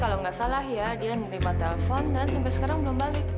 kalau nggak salah ya dia menerima telepon dan sampai sekarang belum balik